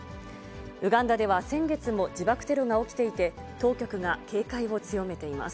ウガンダでは先月も自爆テロが起きていて、当局が警戒を強めています。